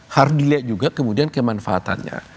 harus dilihat juga kemudian kemanfaatannya